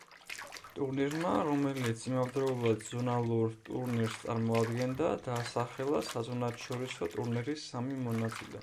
ტურნირმა, რომელიც იმავდროულად ზონალურ ტურნირს წარმოადგენდა, დაასახელა საზონათშორისო ტურნირის სამი მონაწილე.